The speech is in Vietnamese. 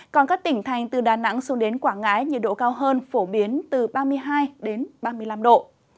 còn các tỉnh thành từ đà nẵng xuống đến quảng ngãi nhiệt độ cao hơn phổ biến từ ba mươi hai ba mươi năm độ